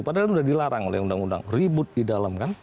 padahal sudah dilarang oleh undang undang ribut di dalam kan